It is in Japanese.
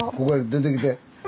ここへ出てきて。